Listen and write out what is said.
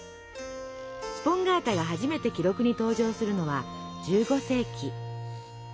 スポンガータが初めて記録に登場するのは１５世紀。